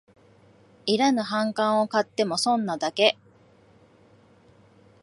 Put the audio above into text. いらぬ反感を買っても損なだけ